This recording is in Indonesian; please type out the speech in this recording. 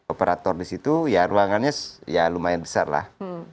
operator disitu ya ruangannya ya lumayan besar lah